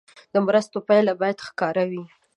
د مرستو پایله باید ښکاره وي.